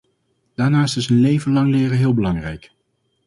Daarnaast is een leven lang leren heel belangrijk.